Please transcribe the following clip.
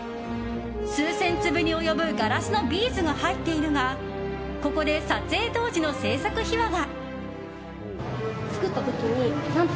数千粒に及ぶガラスのビーズが入っているがここで撮影当時の制作秘話が。